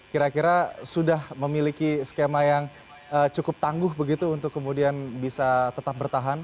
kira kira sudah memiliki skema yang cukup tangguh begitu untuk kemudian bisa tetap bertahan